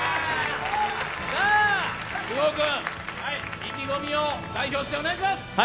菅生君、意気込みを代表してお願いします。